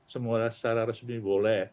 semua secara resmi boleh